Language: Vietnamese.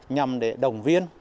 nhằm để đồng viên